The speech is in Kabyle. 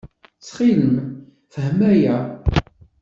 Ttxil-m, fhem aya.